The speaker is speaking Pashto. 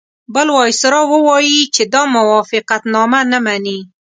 بل وایسرا ووایي چې دا موافقتنامه نه مني.